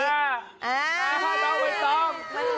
เอ่อเอาไว้ต้อง